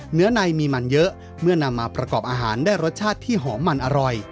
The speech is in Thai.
เนื้อในมีมันเยอะเมื่อนำมาประกอบอาหารได้รสชาติที่หอมมันอร่อย